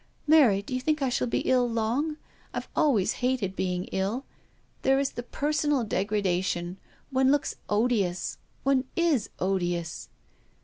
Mary, do you think I shall be ill long? I've always hated being ill. There is the per ALISON ARRANGES A MATCH. 265 sonal degradation — one looks odious, one is odious."